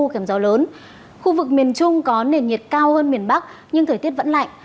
khiến gió lớn khu vực miền trung có nền nhiệt cao hơn miền bắc nhưng thời tiết vẫn lạnh